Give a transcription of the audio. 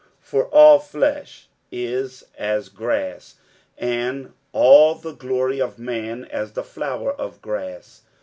60:001:024 For all flesh is as grass, and all the glory of man as the flower of grass.